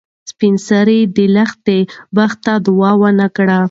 سپین سرې د لښتې بخت ته دعا ونه کړه.